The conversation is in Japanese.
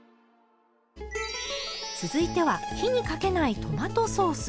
続いては火にかけないトマトソース。